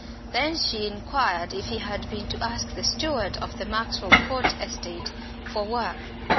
Then she inquired if he had been to ask the steward of the Maxwell Court estate for work.